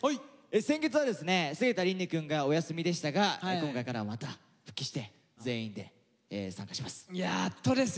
先月はですね菅田琳寧くんがお休みでしたが今回からまた復帰して全員で参加します。